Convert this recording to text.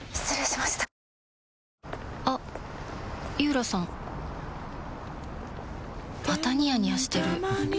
またニヤニヤしてるふふ。